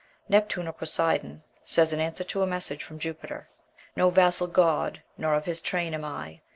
Neptune, or Poseidon, says, in answer to a message from Jupiter, No vassal god, nor of his train am I.